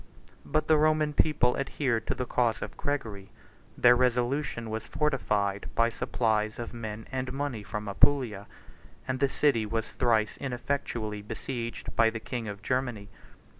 84 But the Roman people adhered to the cause of Gregory: their resolution was fortified by supplies of men and money from Apulia; and the city was thrice ineffectually besieged by the king of Germany.